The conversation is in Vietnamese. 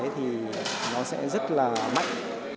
thì nó sẽ rất là mạnh